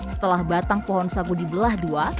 setelah batang pohon sapu dibelah dua